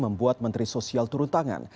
membuat menteri sosial turun tangan